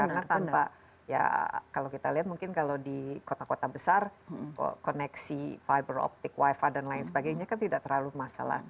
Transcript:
karena tanpa ya kalau kita lihat mungkin kalau di kota kota besar koneksi fiber optic wifi dan lain sebagainya kan tidak terlalu masalah